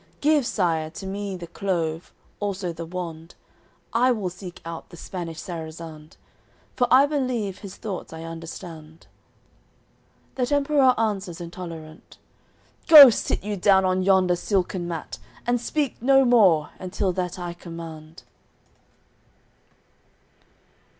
Give, Sire, to me the clove, also the wand, I will seek out the Spanish Sarazand, For I believe his thoughts I understand." That Emperour answers intolerant: "Go, sit you down on yonder silken mat; And speak no more, until that I command."